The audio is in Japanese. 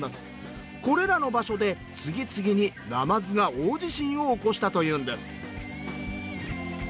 これらの場所で次々になまずが大地震を起こしたというんです。